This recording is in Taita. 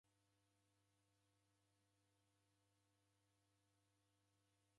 Mruna na omoni w'ori oka jela.